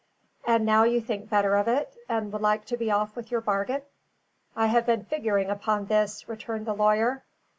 "And now you think better of it, and would like to be off with your bargain? I have been figuring upon this," returned the lawyer.